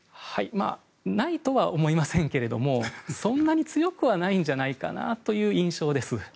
ないとは思いませんがそんなに強くはないんじゃないかなという印象です。